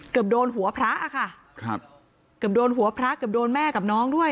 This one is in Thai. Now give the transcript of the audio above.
เกือบโดนหัวพระอะค่ะครับเกือบโดนหัวพระเกือบโดนแม่กับน้องด้วย